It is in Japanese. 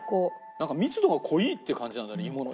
なんか密度が濃いって感じなんだね芋の。